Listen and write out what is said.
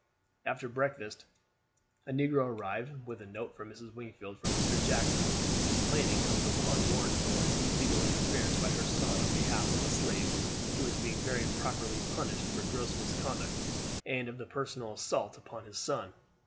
After breakfast a negro arrived with a note for Mrs. Wingfield from Mr. Jackson, complaining of the unwarrantable and illegal interference by her son on behalf of a slave who was being very properly punished for gross misconduct; and of the personal assault upon his son.